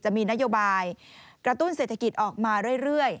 จะมีนโยบายกระตุ้นเศรษฐกิจออกมาเรื่อย